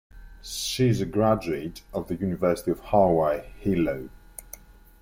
She is a graduate of the University of Hawaii-Hilo.